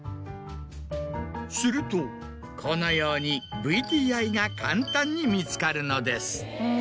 するとこのようにＶＴＩが簡単に見つかるのです。